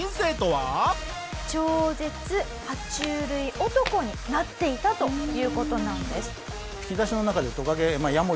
超絶爬虫類男になっていたという事なんです。